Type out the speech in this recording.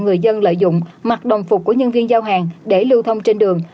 người dân lợi dụng mặc đồng phục của nhân viên giao hàng để lưu thông trên đường